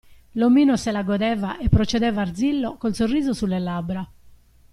L'omino se la godeva e procedeva arzillo, col sorriso sulle labbra.